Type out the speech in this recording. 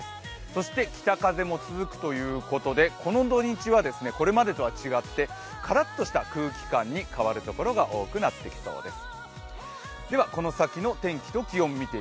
そして北風も続くということでこの土日はこれまでとは違ってカラッとした空気感に変わってきそうです。